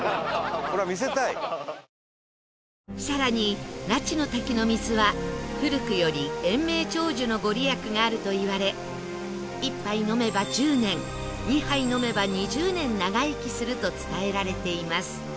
更に那智の滝の水は古くより延命長寿の御利益があるといわれ１杯飲めば１０年２杯飲めば２０年長生きすると伝えられています